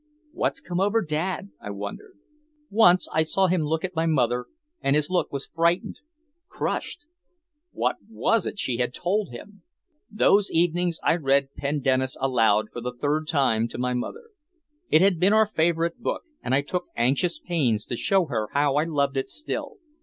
"What's come over Dad?" I wondered. Once I saw him look at my mother, and his look was frightened, crushed. What was it she had told him? Those evenings I read "Pendennis" aloud for the third time to my mother. It had been our favorite book, and I took anxious pains to show her how I loved it still.